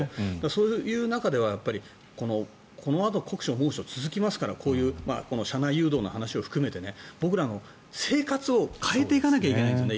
そういう中ではまだ酷暑、猛暑が続きますからこういう車内誘導の話を含めて僕らの生活を変えていかないといけないんですよね。